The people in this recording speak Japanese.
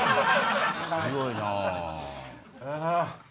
すごいなぁ。